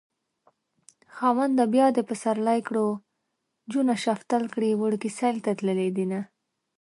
خاونده بيا دې پسرلی کړو جونه شفتل کړي وړکي سيل ته تللي دينه